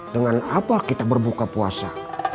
dengan apa kita berbuka puasa